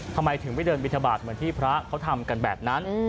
ทำไมถึงไม่เดินบินทบาทเหมือนที่พระเขาทำกันแบบนั้น